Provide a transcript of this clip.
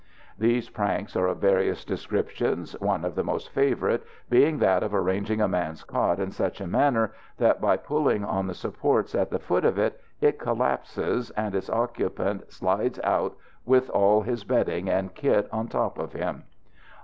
These pranks are of various descriptions, one of the most favourite being that of arranging a man's cot in such a manner that by pulling on the supports at the foot of it, it collapses, and its occupant slides out with all his bedding and kit on top of him.